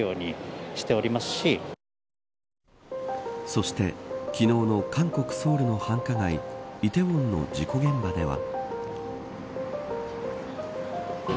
そして、昨日の韓国、ソウルの繁華街梨泰院の事故現場では。